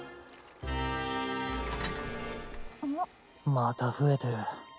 また増えてる。